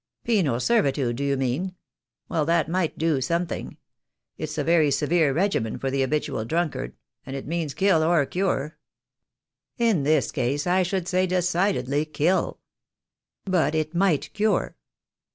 "Penal servitude do you mean? Well, that might do something ! It's a very severe regimen for the habitual drunkard — and it means kill or cure. In this case I should say decidedly kill." "But it might cure."